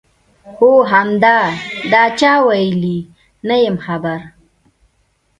هو همدا، دا چا ویلي؟ نه یم خبر.